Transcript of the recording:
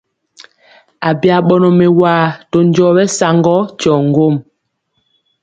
Abya ɓɔnɔ mɛwaa to njɔɔ ɓɛsaŋgɔ tyɔ ŋgom.